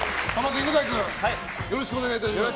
犬飼君、よろしくお願いします。